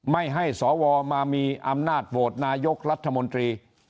ไม่ให้สวมามีอำนาจโหวตนายกรัฐมนตรี